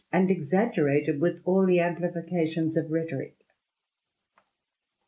and exa^erated with all the amphfications of rhetorick.